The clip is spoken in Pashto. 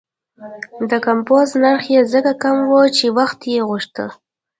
د کمپوز نرخ یې ځکه کم و چې وخت یې غوښته.